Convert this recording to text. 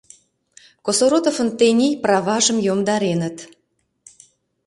Косоротовын тений праважым йомдареныт.